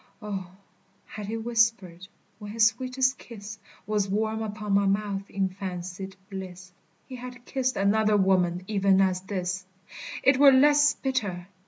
O, had he whispered, when his sweetest kiss Was warm upon my mouth in fancied bliss, He had kissed another woman even as this, It were less bitter!